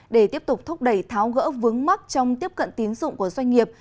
để tiếp tục thúc đẩy tháo gỡ vướng mắt trong tiếp cận tiến dụng của doanh nghiệp